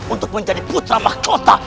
untuk menjadi putra makota